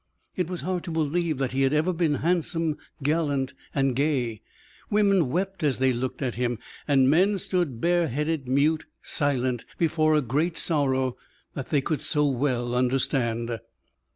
It was hard to believe that he had ever been handsome, gallant, and gay. Women wept as they looked at him, and men stood bare headed, mute, silent, before a great sorrow that they could so well understand.